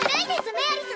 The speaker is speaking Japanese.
メアリ様！